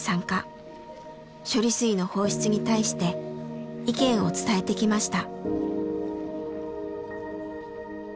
処理水の放出に対して意見を伝えてきました。